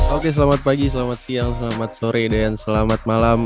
oke selamat pagi selamat siang selamat sore dan selamat malam